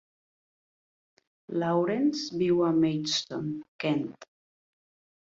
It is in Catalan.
Lawrence viu a Maidstone, Kent.